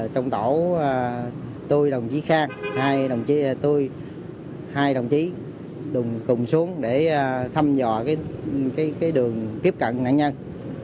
trong tàu tôi đồng chí khang hai đồng chí cùng xuống để thăm dò đường tiếp cận nạn nhân